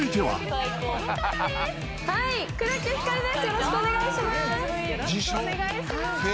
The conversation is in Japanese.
よろしくお願いします。